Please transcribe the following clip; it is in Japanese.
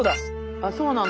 あそうなんだ。